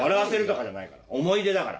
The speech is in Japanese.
思い出だから。